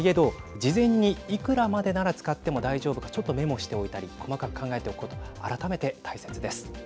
事前に、いくらまでなら使っても大丈夫かちょっとメモしておいたり細かく考えておくことが改めて大切です。